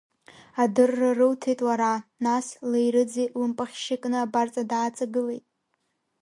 Адырра рылҭеит лара, нас леирыӡи лымпахьшьи кны абарҵа дааҵагылеит.